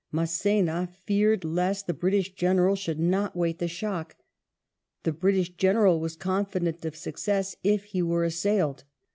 Mass^na feared lest the British General should not wait the shock ; the British General was confident of success if he were assailed.